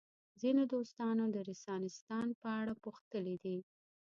ځینو دوستانو د رنسانستان په اړه پوښتلي دي.